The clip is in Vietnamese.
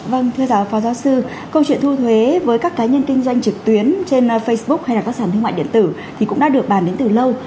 vâng thưa giáo phó giáo sư câu chuyện thu thuế với các cá nhân kinh doanh trực tuyến trên facebook hay là các sản thương mại điện tử thì cũng đã được bàn đến từ lâu